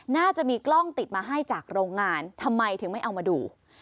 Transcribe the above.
น่าจะมีกล้องติดมาให้จากโรงงานทำไมถึงไม่เอามาดู